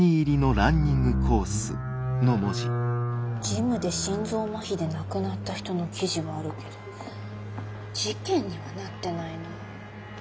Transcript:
ジムで心臓まひで亡くなった人の記事はあるけど事件にはなってないな。